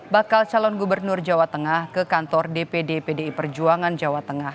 bakal calon gubernur jawa tengah ke kantor dpd pdi perjuangan jawa tengah